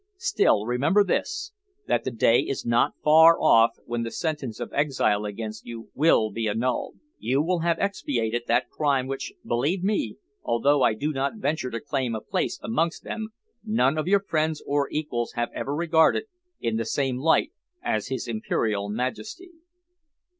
Still, remember this, that the day is not far off when the sentence of exile against you will be annulled. You will have expiated that crime which, believe me, although I do not venture to claim a place amongst them, none of your friends and equals have ever regarded in the same light as His Imperial Majesty."